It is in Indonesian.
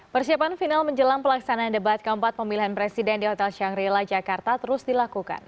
persiapan final menjelang pelaksanaan debat keempat pemilihan presiden di hotel shangri la jakarta terus dilakukan